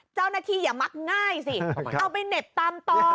เจ้าหน้าที่อย่ามักง่ายสิเอาไปเหน็บตามตอ